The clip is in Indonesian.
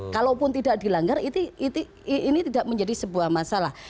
kalaupun tidak dilanggar ini tidak menjadi sebuah masalah